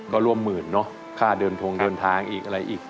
ก็ร่วมหมื่นเนอะค่าเดินทงเดินทางอีกอะไรอีก